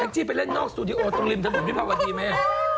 แองจิไปเล่นนอกสตูดิโอตรงริมที่พี่พวกมันดีไหม